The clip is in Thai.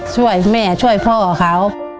ช่วยแม่ช่วยพ่อเขา